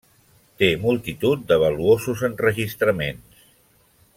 Té multitud de valuosos enregistraments.